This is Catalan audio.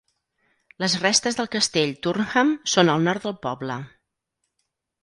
Les restes del castell Thurnham són al nord del poble.